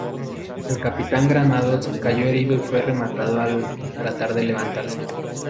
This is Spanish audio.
El capitán Granados cayó herido y fue rematado al tratar de levantarse.